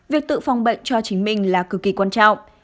việc tự phòng bệnh cho chính mình là cực kỳ quan trọng